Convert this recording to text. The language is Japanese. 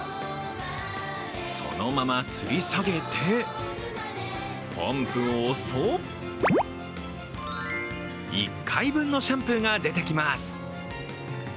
そのままつり下げて、ポンプを押すと１回分のシャンプーが出てきます。